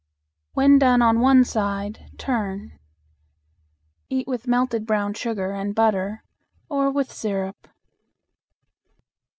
When done on one side, turn. Eat with melted brown sugar and butter or with syrup.